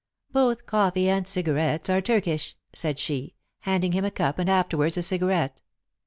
"Both coffee and cigarettes are Turkish," said she, handing him a cup and afterwards a cigarette.